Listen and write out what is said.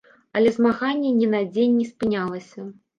Але змаганне ні на дзень не спынялася.